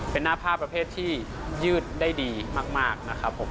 เป็นหน้าผ้าประเภทที่ยืดได้ดีมากนะครับผม